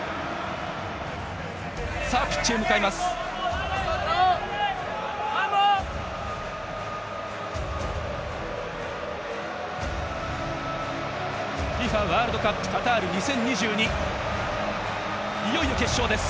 さあピッチへ向かいます。